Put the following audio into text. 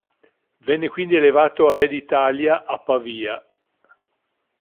Venne quindi elevato a re d'Italia a Pavia.